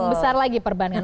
lebih besar lagi perbandingan